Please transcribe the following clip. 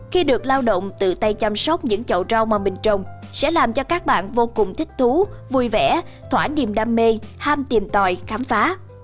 khi được lao động tự tay chăm sóc những chậu rau mà mình trồng sẽ làm cho các bạn vô cùng thích thú vui vẻ thỏa niềm đam mê ham tìm tòi khám phá